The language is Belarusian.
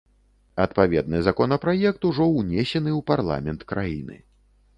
Адпаведны законапраект ўжо ўнесены у парламент краіны.